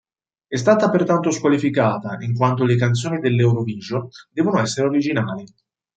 È stata pertanto squalificata, in quanto le canzoni dell'Eurovision devono essere originali.